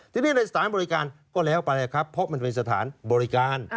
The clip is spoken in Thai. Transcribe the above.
ทีนี้ในสถานบริการก็แล้วไปครับเพราะมันเป็นสถานบริการ